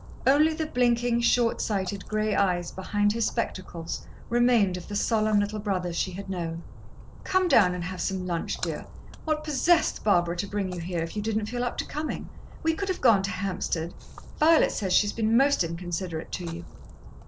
Only the blinking, short sighted grey eyes behind his spectacles remained of the solemn little brother she had known. "Come down and have some lunch, dear. What possessed Barbara to bring you here, if you didn't feel up to coming? We could have gone to Hampstead. Violet says she's been most inconsiderate to you."